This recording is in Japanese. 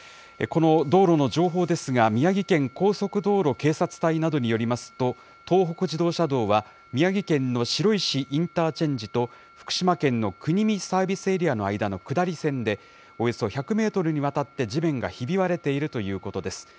この道路の情報ですが、宮城県高速道路警察隊などによりますと、東北自動車道は宮城県の白石インターチェンジと福島県の国見サービスエリアの間の下り線で、およそ１００メートルにわたって、地面がひび割れているということです。